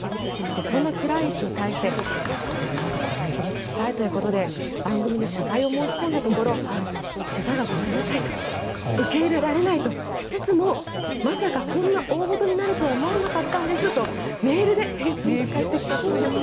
そんなクライン氏に対してこれはコメントも聞きたいということで番組で取材を申し込んだところ取材はごめんなさいと受け入れられないとしつつもまさか、こんな大ごとになるとは思わなかったんですとメールで返信が返ってきたそうです。